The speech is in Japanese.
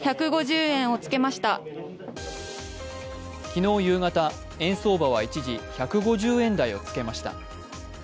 昨日夕方、円相場は一時１５０円台をつけました。